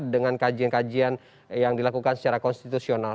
dengan kajian kajian yang dilakukan secara konstitusional